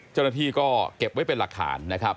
เจ้าหน้าที่ก็เก็บไว้เป็นหลักฐานนะครับ